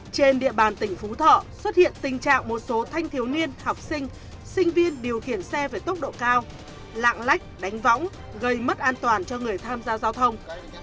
trên địa bàn tỉnh phú thọ xuất hiện tình trạng một số thanh thiếu niên học sinh sinh viên điều khiển xe với tốc độ cao lạng lách đánh võng gây mất an toàn cho người tham gia giao thông